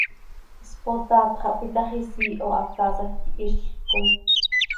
Spotaat xah pi ta x, isiiho aha, taasaj quihizlc coi.